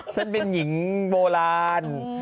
ฉันเป็นหญิงโบราณ